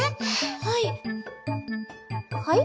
はいはい？